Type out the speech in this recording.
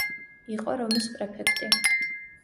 იყო რომის პრეფექტი.